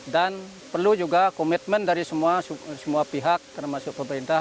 dan perlu juga komitmen dari semua pihak termasuk pemerintah